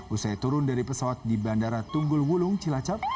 usai turun dari pesawat di bandara tunggul wulung cilacap